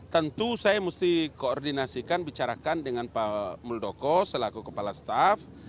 tentu saya mesti koordinasikan bicarakan dengan pak muldoko selaku kepala staff